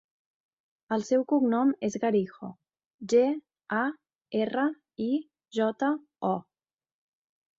El seu cognom és Garijo: ge, a, erra, i, jota, o.